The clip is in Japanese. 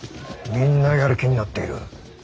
みんなやる気になっている。